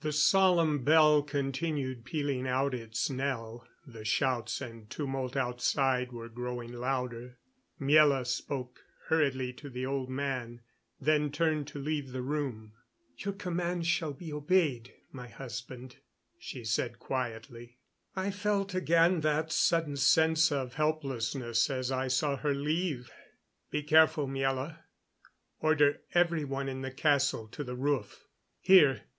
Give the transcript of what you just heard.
The solemn bell continued pealing out its knell; the shouts and tumult outside were growing louder. Miela spoke hurriedly to the old man, then turned to leave the room. "Your commands shall be obeyed, my husband," she said quietly. I felt again that sudden sense of helplessness as I saw her leave. "Be careful, Miela. Order every one in the castle to the roof. Here!